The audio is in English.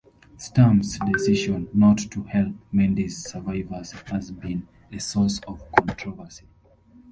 Stump's decision not to help "Mendi"s survivors has been a source of controversy.